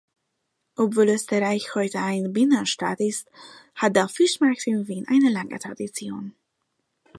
Obwohl Österreich heute ein Binnenstaat ist, hat der Fischmarkt in Wien eine lange Tradition.